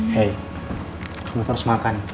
hei kamu terus makan